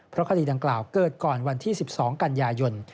เพราะคดีดังกล่าวเกิดก่อนวันที่๑๒กันยายน